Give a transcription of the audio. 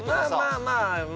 まあまあま